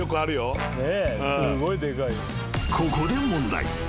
［ここで問題］